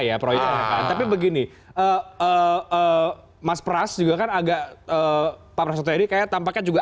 ya proyeknya tapi begini eh eh eh mas pras juga kan agak eh pak prasuteri kayak tampaknya juga